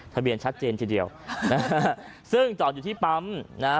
ทะเบียนชัดเจนทีเดียวนะฮะซึ่งจอดอยู่ที่ปั๊มนะฮะ